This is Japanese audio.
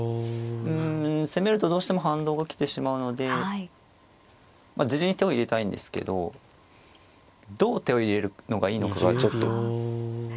うん攻めるとどうしても反動が来てしまうので自陣に手を入れたいんですけどどう手を入れるのがいいのかがちょっと。